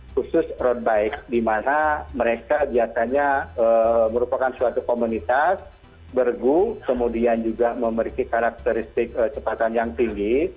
khusus road bike di mana mereka biasanya merupakan suatu komunitas bergu kemudian juga memiliki karakteristik cepatan yang tinggi